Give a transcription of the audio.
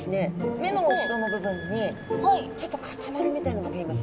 目の後ろの部分にちょっと塊みたいなのが見えますよね。